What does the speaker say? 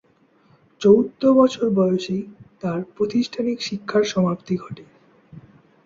চৌদ্দ বছর বয়সেই তার প্রাতিষ্ঠানিক শিক্ষার সমাপ্তি ঘটে।